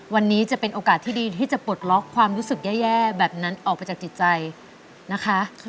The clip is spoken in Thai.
วันนี้จะเป็นโอกาสที่ดีที่จะปลดล็อกความรู้สึกแย่แบบนั้นออกไปจากจิตใจนะคะ